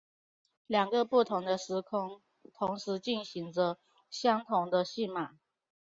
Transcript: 两个不同的时空同时进行着相同的戏码。